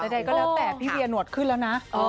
ใดก็แล้วแต่พี่เวียหนวดขึ้นแล้วนะ